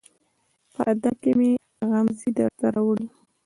په ادا کې مې غمزې درته راوړي